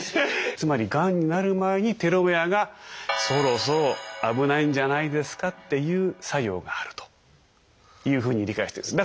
つまりがんになる前にテロメアが「そろそろ危ないんじゃないですか」っていう作用があるというふうに理解してるんです。